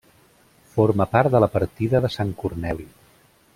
Forma part de la Partida de Sant Corneli.